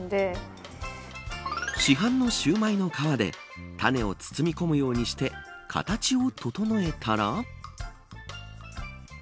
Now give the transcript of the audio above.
市販のシューマイの皮でタネを包み込むようにして形を整えたら。